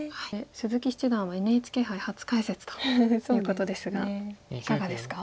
鈴木七段はＮＨＫ杯初解説ということですがいかがですか？